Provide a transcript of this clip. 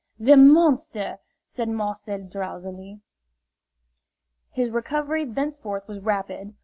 "The monster!" said Marcel, drowsily. His recovery thenceforth was rapid.